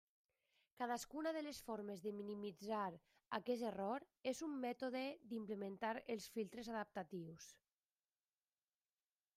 Cadascuna de les formes de minimitzar aquest error és un mètode d'implementar els filtres adaptatius.